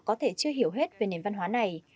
chúng tôi chưa hiểu hết về nền văn hóa này